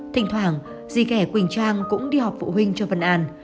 thỉnh thoảng dì kẻ quỳnh trang cũng đi học phụ huynh cho vân anh